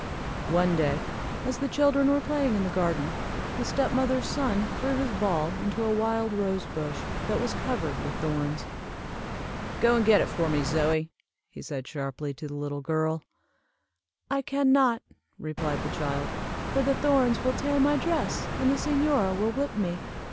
One day, as the children were playing in the garden, the step mother's son threw his ball into a wild rosebush that was covered with thorns. "Go and get it for me, Zoie," said he, sharply, to the little girl. "I can not," replied the child, "for the thorns will tear my dress, and the señora will whip me."